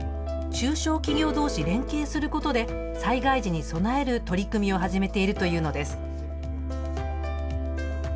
中小企業どうし連携することで災害時に備える取り組みを始めているというのです。